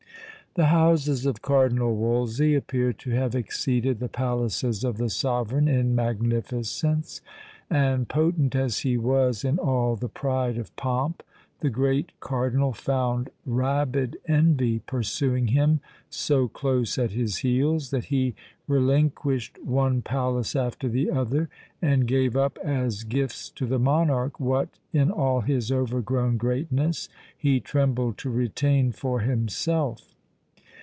The houses of Cardinal Wolsey appear to have exceeded the palaces of the sovereign in magnificence; and potent as he was in all the pride of pomp, the "great cardinal" found rabid envy pursuing him so close at his heels, that he relinquished one palace after the other, and gave up as gifts to the monarch what, in all his overgrown greatness, he trembled to retain for himself.